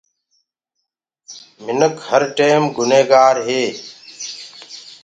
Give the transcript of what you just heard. انسآن هر ٽيم گُني گآري